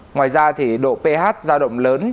ngoài ra thì độ ph giao động lớn